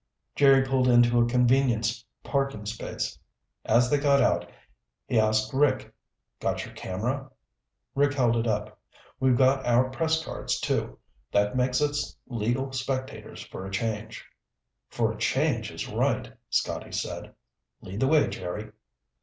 Jerry pulled into a convenient parking space. As they got out, he asked Rick, "Got your camera?" Rick held it up. "We've got our press cards, too. That makes us legal spectators for a change." "For a change is right," Scotty said. "Lead the way, Jerry."